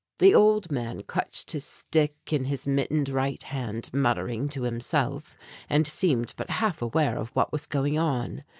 The old man clutched his stick in his mittened right hand, muttering to himself, and seemed but half aware of what was going on.